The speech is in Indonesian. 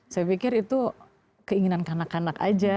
saya pikir itu keinginan kanak kanak aja